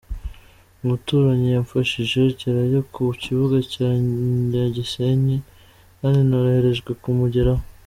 Umuturanyi yamfashije ngerayo ku kibuga cya Nyagisenyi kandi noroherejwe kumugeraho.